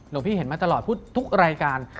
หลวงพี่เห็นมาตลอดพูดทุกรายการ